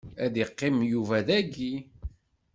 Ad iqqim Yuba dagi.